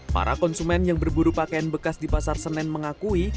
para konsumen yang berburu pakaian bekas di pasar senen mengakui